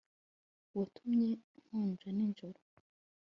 watumye nkonja nijoro